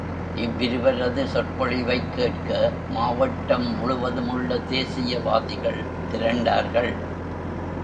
இவ்விருவரது சொற்பொழிவைக் கேட்க மாவட்டம் முழுவதுமுள்ள தேசியவாதிகள் திரண்டார்கள்.